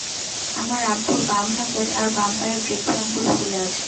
আমার আব্বুর বাম হাতের আর বাম পায়ের বৃদ্ধ আঙ্গুল ফুলে আছে।